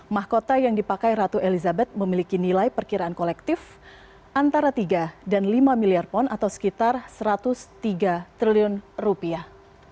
mahkota yang dipakai ratu elizabeth memiliki nilai perkiraan kolektif antara tiga dan lima miliar pon atau sekitar satu ratus tiga triliun rupiah